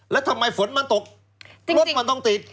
แล้วทำไมฝนมันตกรถมันต้องติด